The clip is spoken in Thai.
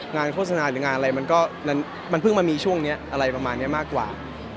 โฆษณาหรืองานอะไรมันก็มันเพิ่งมามีช่วงนี้อะไรประมาณนี้มากกว่า